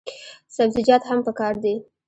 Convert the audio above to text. سبزیجات هم پکار دي.